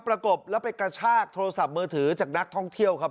ประกบแล้วไปกระชากโทรศัพท์มือถือจากนักท่องเที่ยวครับ